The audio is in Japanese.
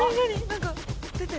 何か出てる。